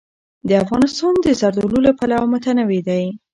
افغانستان د زردالو له پلوه متنوع دی.